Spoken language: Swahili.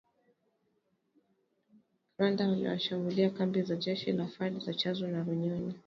“Waasi wa Vuguvugu la Ishirini na tatu, kwa msaada wa jeshi la Rwanda, walishambulia kambi za jeshi la FARDC za Tchanzu na Runyonyi,